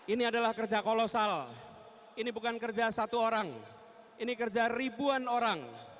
ini adalah kerja kolosal ini bukan kerja satu orang ini kerja ribuan orang